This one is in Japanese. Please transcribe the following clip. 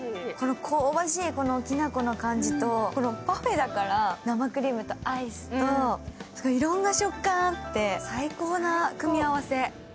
香ばしいきな粉の感じとこれ、パフェだから生クリームとアイスといろんな食感あって、最高な組み合わせ。